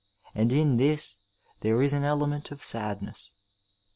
And in this there is an element of sadness.